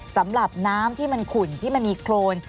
สำหรับน้ำที่มันขุ่นที่มันมีโครน